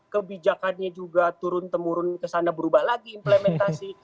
kebijakannya juga turun temurun kesana berubah lagi implementasi